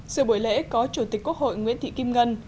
sự buổi lễ có chủ tịch quốc hội nguyễn thị kim ngân